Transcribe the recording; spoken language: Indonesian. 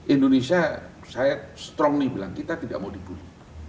indonesia saya strongly bilang kita tidak mau dibully